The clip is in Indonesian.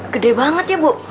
gede banget ya bu